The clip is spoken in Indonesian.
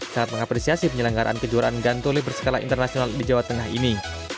sangat mengapresiasi penyelenggaraan kejuaraan gantole berskala internasional di jawa tengah ini